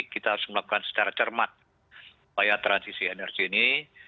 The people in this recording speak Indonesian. kita harus melakukan secara cermat upaya transisi energi ini